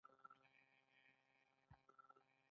هغوی یوځای د ژور شګوفه له لارې سفر پیل کړ.